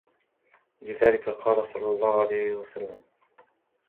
وَلِذَلِكَ قَالَ صَلَّى اللَّهُ عَلَيْهِ وَسَلَّمَ